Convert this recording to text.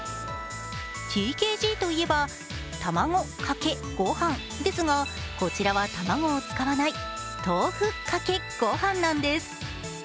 ＴＫＧといえば、卵かけご飯ですが、こちらは卵を使わない豆腐、かけ、ご飯なんです。